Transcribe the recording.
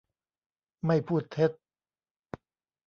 ไม่พูดเท็จ